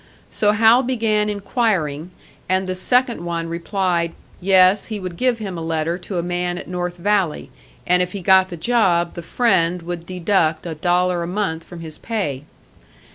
So Hal began enquiring, and the second one replied, Yes, he would give him a letter to a man at North Valley, and if he got the job, the friend would deduct a dollar a month from his pay.